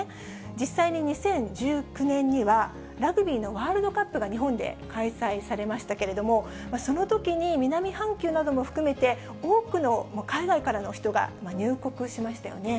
実際に２０１９年には、ラグビーのワールドカップが日本で開催されましたけれども、そのときに南半球なども含めて、多くの海外からの人が入国をしましたよね。